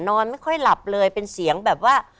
นอนไม่ค่อยหลับเลยเป็นเสียงแบบว่า